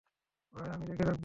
ভাই, আমি দেখে রাখব।